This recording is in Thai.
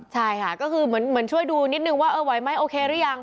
ใช่ค่ะก็คือเหมือนช่วยดูนิดนึงว่าเออไหวไหมโอเคหรือยัง